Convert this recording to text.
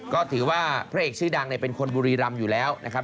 ก็ถือว่าพระเอกชื่อดังเป็นคนบุรีรำอยู่แล้วนะครับ